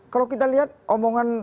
kalau kita lihat omongan